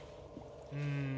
うん。